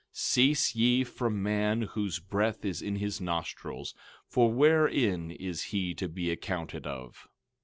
12:22 Cease ye from man, whose breath is in his nostrils; for wherein is he to be accounted of?